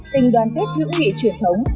tình đoàn kết những nghị truyền thống